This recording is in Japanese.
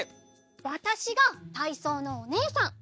わたしがたいそうのおねえさん。